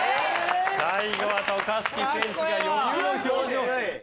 最後は渡嘉敷選手が余裕の表情。